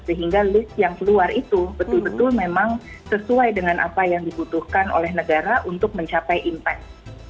sehingga list yang keluar itu betul betul memang sesuai dengan apa yang dibutuhkan oleh negara untuk mencapai impact